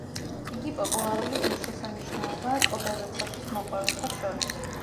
იგი პოპულარული ღირსშესანიშნაობაა კლდეზე ცოცვის მოყვარულთა შორის.